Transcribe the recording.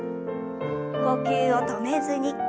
呼吸を止めずに。